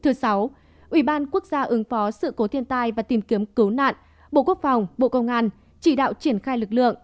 thứ sáu ủy ban quốc gia ứng phó sự cố thiên tai và tìm kiếm cứu nạn bộ quốc phòng bộ công an chỉ đạo triển khai lực lượng